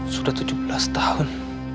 sudah tujuh belas tahun